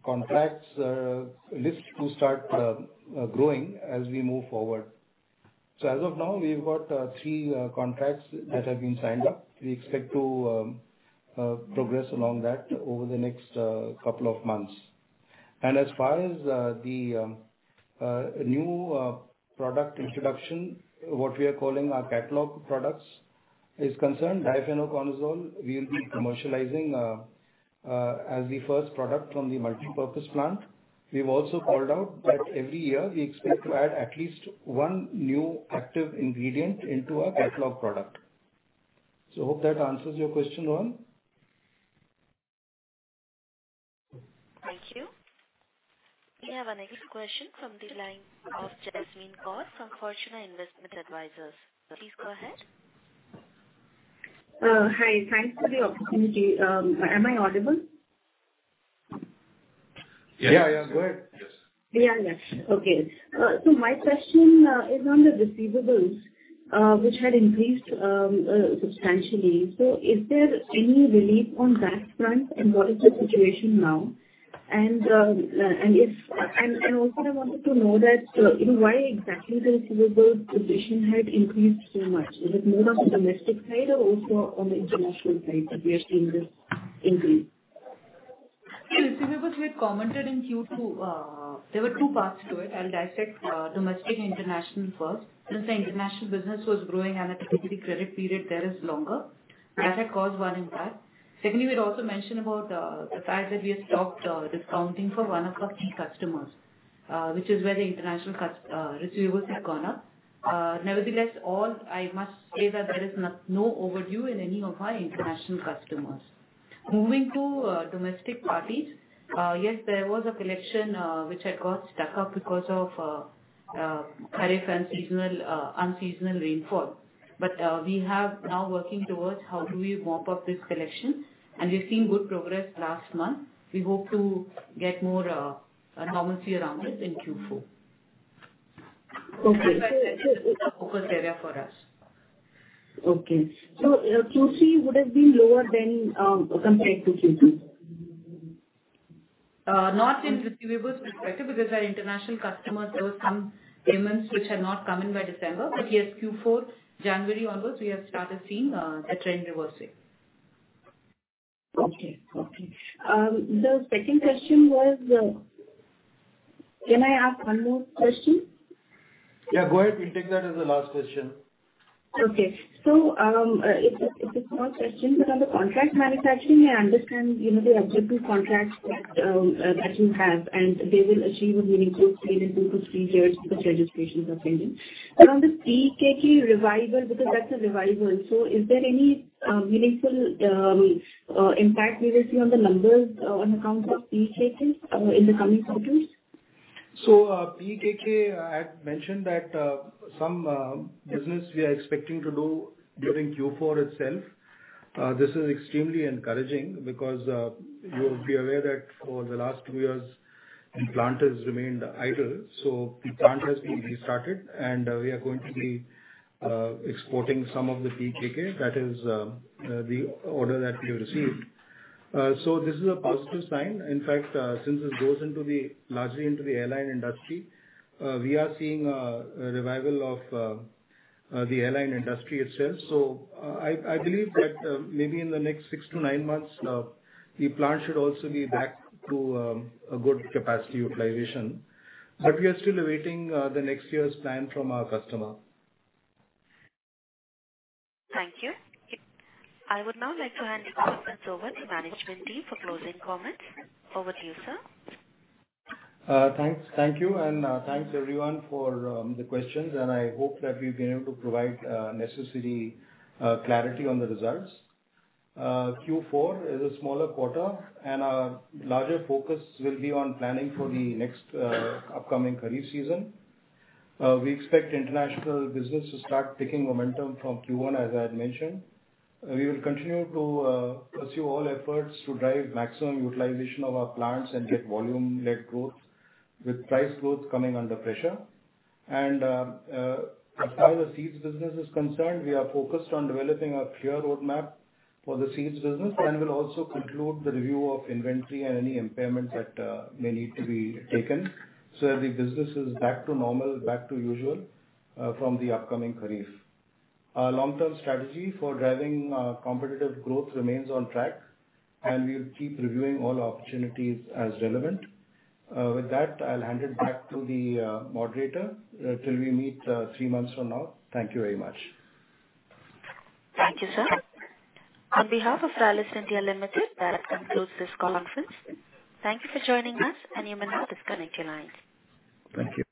contracts list to start growing as we move forward. As of now, we've got three contracts that have been signed up. We expect to progress along that over the next couple of months. As far as the new product introduction, what we are calling our catalog products is concerned, Difenoconazole, we will be commercializing as the first product from the multi-purpose plant, we've also called out that every year we expect to add at least one new active ingredient into our catalog product. Hope that answers your question, Rohan. Thank you. We have our next question from the line of Jasmeen Kaur from Fortuna Investment Advisors. Please go ahead. Hi. Thanks for the opportunity. Am I audible? Yeah. Yeah. Go ahead. Yes. Yeah. Yeah. Okay. My question is on the receivables, which had increased substantially. Is there any relief on that front, and what is the situation now? Also I wanted to know that, you know, why exactly the receivables position had increased so much. Is it more on the domestic side or also on the international side that we are seeing this increase? Yeah. Receivables we had commented in Q2, there were two parts to it. I'll dissect domestic and international first. Since the international business was growing and the typically credit period there is longer, that had caused one impact. Secondly, we had also mentioned about the fact that we had stopped discounting for one of our key customers, which is where the international receivables had gone up. Nevertheless, all I must say that there is not no overdue in any of our international customers. Moving to domestic parties, yes, there was a collection which had got stuck up because of kharif and seasonal unseasonal rainfall. We have now working towards how do we mop up this collection, and we've seen good progress last month. We hope to get more normalcy around this in Q4. Okay. That's why I said focus area for us. Okay. Q3 would have been lower than, compared to Q2? Not in receivables perspective because our international customers, there were some payments which had not come in by December. Yes, Q4, January onwards, we have started seeing a trend reversal. Okay. Okay. The second question was, Can I ask one more question? Yeah, go ahead. We'll take that as the last question. Okay. It's a small question, but on the contract manufacturing, I understand, you know, the existing contracts that you have, and they will achieve a meaningful scale in 2-3 years because registrations are pending. On this PEKK revival, because that's a revival, is there any meaningful impact we will see on the numbers on account of PEKK in the coming quarters? PEKK, I had mentioned that some business we are expecting to do during Q4 itself. This is extremely encouraging because you'll be aware that for the last two years the plant has remained idle. The plant has been restarted, and we are going to be exporting some of the PEKK. That is the order that we have received. This is a positive sign. In fact, since this goes largely into the airline industry, we are seeing a revival of the airline industry itself. I believe that maybe in the next six to nine months, the plant should also be back to a good capacity utilization. We are still awaiting the next year's plan from our customer. Thank you. I would now like to hand over the conference over to management team for closing comments. Over to you, sir. Thanks. Thank you, and thanks everyone for the questions, and I hope that we've been able to provide necessary clarity on the results. Q4 is a smaller quarter, and our larger focus will be on planning for the next upcoming kharif season. We expect international business to start picking momentum from Q1, as I had mentioned. We will continue to pursue all efforts to drive maximum utilization of our plants and get volume-led growth with price growth coming under pressure. As far as seeds business is concerned, we are focused on developing a clear roadmap for the seeds business, and we'll also conclude the review of inventory and any impairments that may need to be taken so that the business is back to normal, back to usual from the upcoming kharif. Our long-term strategy for driving competitive growth remains on track, and we'll keep reviewing all opportunities as relevant. With that, I'll hand it back to the moderator till we meet three months from now. Thank you very much. Thank you, sir. On behalf of Rallis India Limited, that concludes this conference. Thank you for joining us, and you may now disconnect your lines. Thank you.